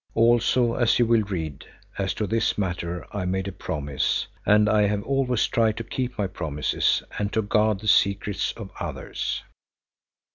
Also, as you will read, as to this matter I made a promise and I have always tried to keep my promises and to guard the secrets of others.